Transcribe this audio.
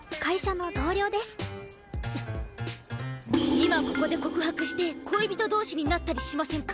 今ここで告白して恋人同士になったりしませんか？